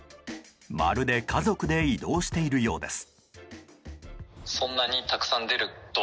まるで家族で移動しているようです。